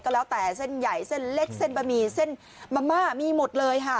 แล้วแต่เส้นใหญ่เส้นเล็กเส้นบะหมี่เส้นมะม่ามีหมดเลยค่ะ